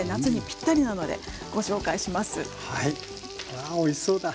やおいしそうだ。